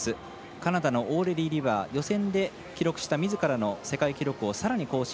カナダのオーレリー・リバー予選で記録したみずからの世界記録をさらに更新。